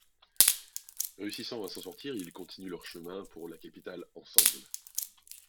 Réussissant à s'en sortir, ils continuent leur chemin pour la capitale ensemble.